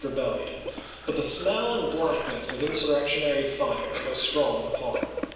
rebellion, but the smell and blackness of in surrectionary fire were strong upon her.